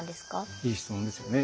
いい質問ですよね。